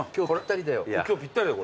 今日ぴったりだよ。